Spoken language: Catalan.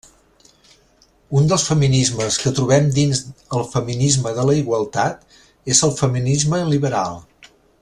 Un dels feminismes que trobem dins el feminisme de la igualtat és el feminisme liberal.